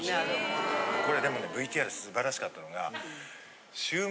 これでもねＶＴＲ素晴らしかったのが。